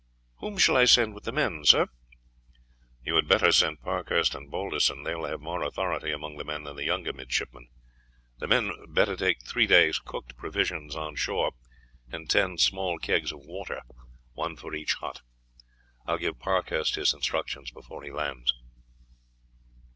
"Whom shall I send with the men, sir?" "You had better send Parkhurst and Balderson; they will have more authority among the men than the younger midshipmen. The men better take three days' cooked provisions on shore and ten small kegs of water, one for each hut. I will give Parkhurst his instructions before he lands."